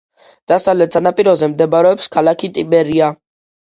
დასავლეთ სანაპიროზე მდებარეობს ქალაქი ტიბერია.